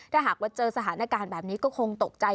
ถ้าหากว่าเจอสถานการณ์แบบนี้ก็คงตกใจ